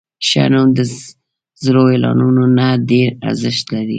ښه نوم د زرو اعلانونو نه ډېر ارزښت لري.